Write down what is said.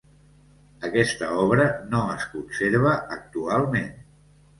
Aquesta obra no es conserva actualment.